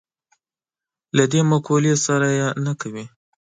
له دې مقولې سره یې نه کوي.